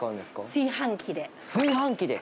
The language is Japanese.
炊飯器で。